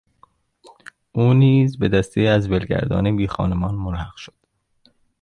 او نیز به دستهای از ولگردان بیخانمان ملحق شد.